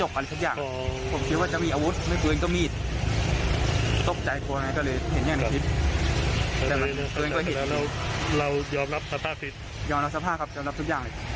โอเคลูกผู้ชายดีลูก